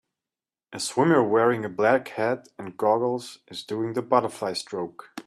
a swimmer wearing a black hat and goggles is doing the butterfly stroke.